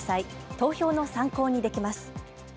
投票の参考にできます。